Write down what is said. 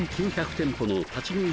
店舗の立ち食い